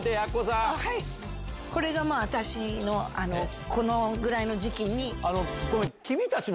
これが私のこのぐらいの時期。